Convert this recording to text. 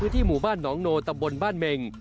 พื้นที่หมู่บ้านน้องโนตำบลบ้านเม่ง